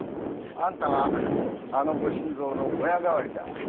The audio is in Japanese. あんたはあのご新造の親代わりだ。